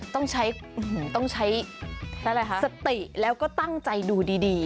ต้องใช้ต้องใช้สติแล้วก็ตั้งใจดูดี